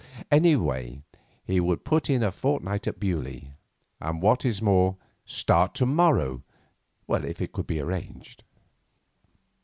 Anyway, he would put in a fortnight at Beaulieu, and, what is more, start to morrow if it could be arranged.